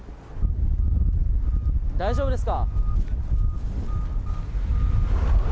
大丈夫ですか。